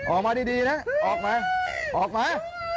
ออกมาดีนะออกมาออกมา